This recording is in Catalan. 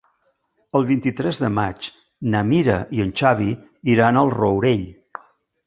El vint-i-tres de maig na Mira i en Xavi iran al Rourell.